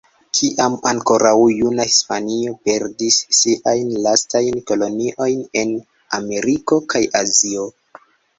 Kiam ankoraŭ juna Hispanio perdis siajn lastajn koloniojn en Ameriko kaj Azio.